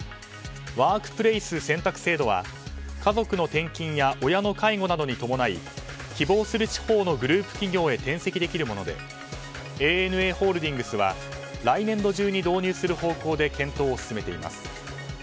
ワークプレイス選択制度は家族の転勤や親の介護などに伴い希望する地方のグループ企業へ転籍できるものでＡＮＡホールディングスは来年度中に導入する方向で検討を進めています。